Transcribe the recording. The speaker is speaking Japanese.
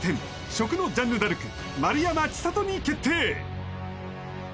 食のジャンヌダルク丸山千里に決定！